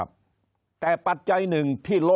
คนในวงการสื่อ๓๐องค์กร